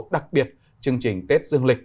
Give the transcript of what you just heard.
đặc biệt chương trình tết dương lịch